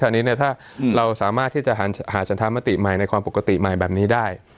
อันนี้เนี่ยถ้าเราสามารถที่จะหาฉันธรรมติใหม่ในความปกติใหม่แบบนี้ได้